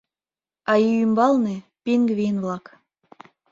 а ий ӱмбалне — пингвин-влак.